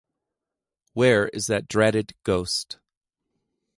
Where is that dratted ghost?